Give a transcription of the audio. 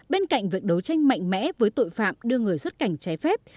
bên cạnh việc đấu tranh mạnh mẽ với tội phạm đưa người xuất cảnh trái phép